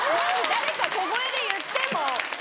誰か小声で言ってもう。